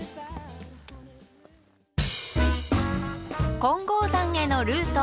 金剛山へのルート。